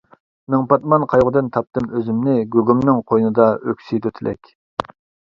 مىڭ پاتمان قايغۇدىن تاپتىم ئۆزۈمنى، گۇگۇمنىڭ قوينىدا ئۆكسۈيدۇ تىلەك.